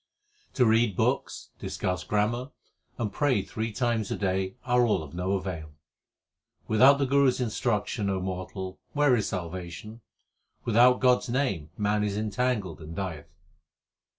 To read books, discuss grammar, and pray three times a day are all of no avail. Without the Guru s instruction, O mortal, where is salvation ? without God s name man is entangled and dieth.